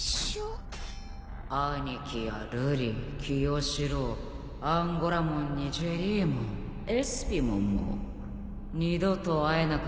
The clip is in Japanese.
・兄貴や瑠璃清司郎アンゴラモンにジェリーモンエスピモンも二度と会えなくなるぜ。